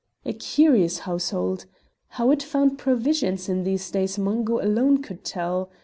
A curious household! How it found provisions in these days Mungo alone could tell.